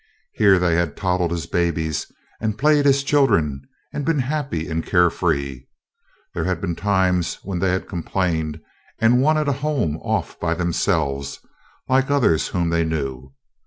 Here they had toddled as babies and played as children and been happy and care free. There had been times when they had complained and wanted a home off by themselves, like others whom they knew.